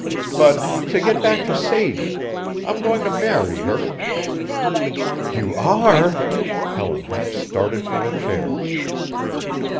But to get back to Sadie I'm going to marry her." "You are!" Helen half started from her chair.